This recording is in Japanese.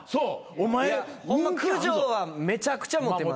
ホンマ九条はめちゃくちゃモテます。